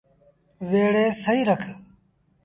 ويڙي سهيٚ رک۔